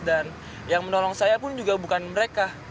dan yang menolong saya pun juga bukan mereka